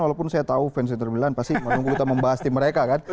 walaupun saya tahu fans inter milan pasti menunggu kita membahas tim mereka kan